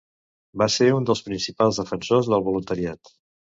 Va ser un dels principals defensors del voluntariat.